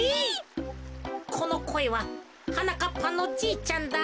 このこえははなかっぱのじいちゃんだ。